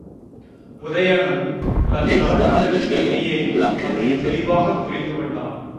உதயணனும் தன் கலக்கங்களுக்கு இடையேயும் அதனைத் தெளிவாகப் புரிந்துகொண்டான்.